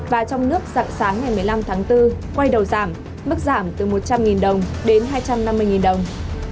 và trong nước dạng sáng ngày một mươi năm tháng bốn quay đầu giảm mức giảm từ một trăm linh đồng đến hai trăm năm mươi đồng